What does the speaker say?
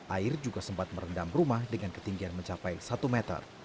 air juga sempat merendam rumah dengan ketinggian mencapai satu meter